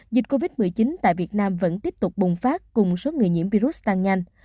dịch covid một mươi chín tại việt nam vẫn tiếp tục bùng phát cùng số người nhiễm virus tăng nhanh